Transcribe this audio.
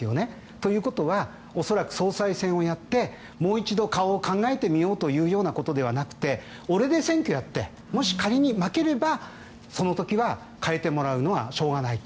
ということは恐らく総裁選をやってもう一度、顔を考えてみようということではなくて俺で選挙をやってもし仮に負ければその時は変えてもらうのはしょうがないと。